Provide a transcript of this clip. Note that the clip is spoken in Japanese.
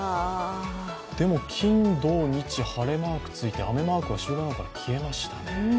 でも金土日、晴れマークついて雨マークは消えました。